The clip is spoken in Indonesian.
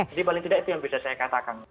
jadi paling tidak itu yang bisa saya katakan